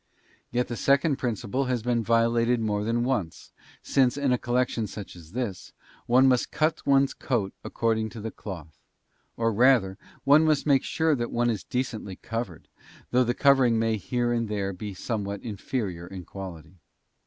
Yet the second principle has been violated more than once, since, in a collection such as this, one must cut one's coat according to the cloth; or, rather, one must make sure that one is decently covered, though the covering may here and there be somewhat inferior in quality.